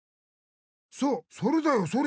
そうそれだよそれ！